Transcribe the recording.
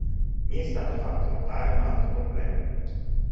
Mi è stato fatto notare un altro problema.